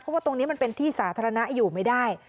เพราะว่าตรงนี้มันเป็นที่สาธารณะอยู่ไม่ได้